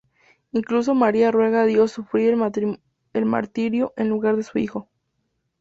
Incluso María ruega a Dios sufrir el martirio en lugar de su hijo.